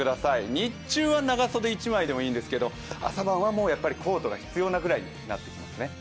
日中は長袖１枚でもいいんですけど朝晩はもうコートが必要なぐらいになってきますね。